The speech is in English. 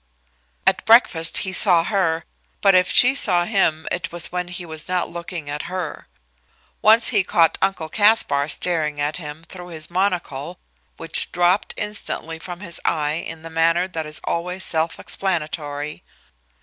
At breakfast he saw her, but if she saw him it was when he was not looking at her. Once he caught Uncle Caspar staring at him through his monocle, which dropped instantly from his eye in the manner that is always self explanatory.